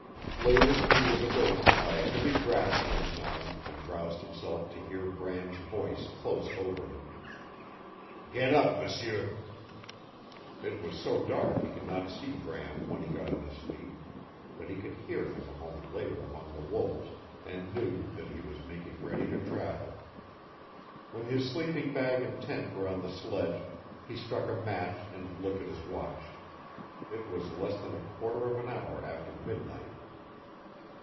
Later he was awakened by a heavy grasp on his arm, and roused himself to hear Bram's voice close over him. "Get up, m'sieu." It was so dark he could not see Bram when he got on his feet, but he could hear him a moment later among the wolves, and knew that he was making ready to travel. When his sleeping bag and tent were on the sledge he struck a match and looked at his watch. It was less than a quarter of an hour after midnight.